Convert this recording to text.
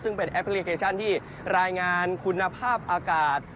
ซึ่งเป็นแอปพลิเคชันที่รายงานคุณภาพอากาศ